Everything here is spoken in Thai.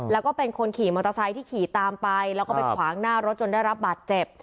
แล้วก็เป็นคนขี่มอเตอร์ไซค์ที่ขี่ตามไปแล้วก็ไปขวางหน้ารถจนได้รับบาดเจ็บ